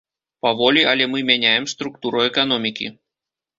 Паволі, але мы мяняем структуру эканомікі.